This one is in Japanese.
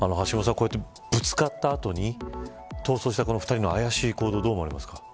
こうやって、ぶつかった後に逃走した２人のあやしい行動どう思われますか。